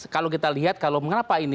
kalau kita lihat kalau mengapa ini